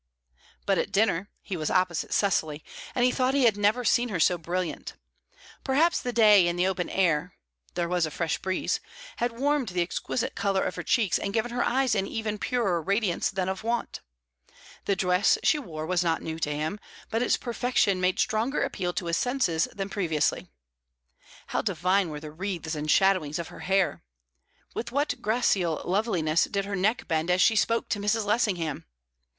But at dinner he was opposite Cecily, and he thought he had never seen her so brilliant. Perhaps the day in the open air there was a fresh breeze had warmed the exquisite colour of her cheeks and given her eyes an even purer radiance than of wont. The dress she wore was not new to him, but its perfection made stronger appeal to his senses than previously. How divine were the wreaths and shadowings of her hair! With what gracile loveliness did her neck bend as she spoke to Mrs. Lessingham!